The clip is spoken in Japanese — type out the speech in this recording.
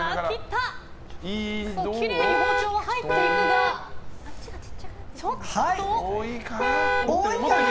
きれいに包丁は入っていくがちょっと。